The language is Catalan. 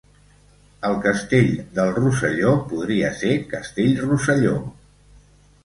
El castell del Rosselló podria ser Castellrosselló.